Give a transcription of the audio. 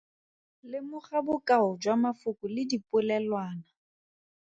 Lemoga bokao jwa mafoko le dipolelwana.